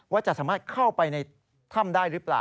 ว่าจะสามารถเข้าไปในถ้ำได้หรือเปล่า